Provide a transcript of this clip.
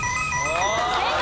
正解。